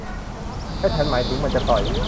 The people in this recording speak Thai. และฉันหมายถึงมันจะต่อย